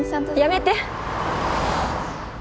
やめて！